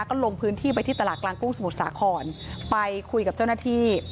ก็ลงพื้นที่ไปที่ตลาดกลางกุ้งสมุทรสาครไปคุยกับเจ้าหน้าที่